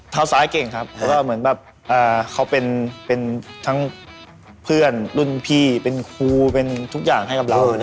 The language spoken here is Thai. เท้าซ้ายเก่งครับเขาเป็นทั้งเพื่อนรุ่นพี่เป็นครูเป็นทุกอย่างให้กับเรา